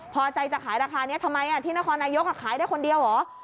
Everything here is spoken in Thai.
พอใจจะขายราคานี้ทำไมที่นครนายกขายได้คนเดียวเหรอ